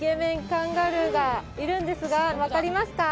カンガルーがいるんですが分かりますか？